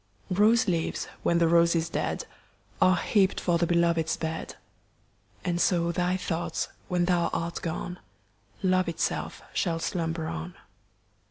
364 POEMS OF SEXTIMEXT. Rose leaves, when the rose is dead, Are heaped for the beloved's bed ; And so thy thoughts, when thou art gone, Love itself shall slumber on.